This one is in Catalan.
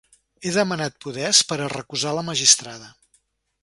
He demanat poders per a recusar la magistrada.